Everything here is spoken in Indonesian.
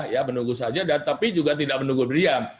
ya menunggu saja tapi juga tidak menunggu berdiam